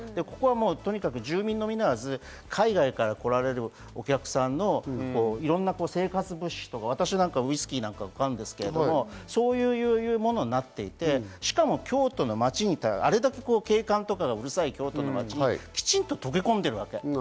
ここは住民のみんなが海外から来られるお客さんのいろんな生活物資、私なんかウイスキー買うんですけど、そういうものになっていて、しかも京都の街、あれほど景観にうるさい京都の街にきちんと溶け込んでいるわけ。